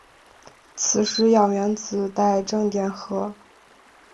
此时氧原子带正电荷。